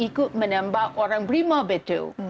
ikut menembak orang brimob itu